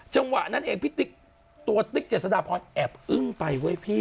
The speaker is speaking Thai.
จังหวะนั้นเองตัวติ๊กเจษฎาพรแอบอึ้งไป